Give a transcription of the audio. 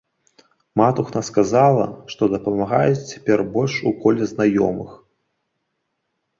Матухна сказала, што дапамагаюць цяпер больш у коле знаёмых.